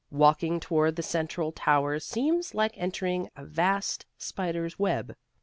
Walking toward the central towers seems like entering a vast spider's web.